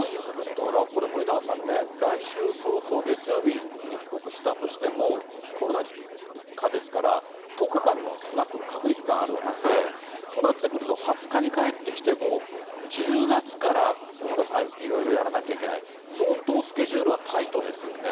だから、これ、森永さんね、来週早々月曜日に帰国したとしても、コロナ禍ですから、１０日間の少なくとも隔離期間あるわけで、となってくると、２０日に帰ってきても、１０月から小室さんいろいろやらなきゃいけない、相当スケジュールはタイトですよね。